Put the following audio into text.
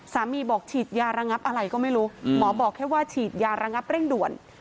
บอกฉีดยาระงับอะไรก็ไม่รู้หมอบอกแค่ว่าฉีดยาระงับเร่งด่วน